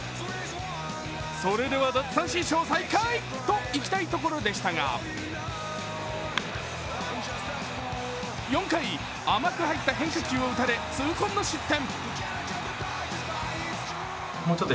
それでは奪三振ショー再開といきたいところでしたが、４回、甘く入った変化球を打たれ痛恨の失点。